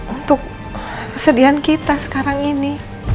untuk kesedihan kita sekarang ini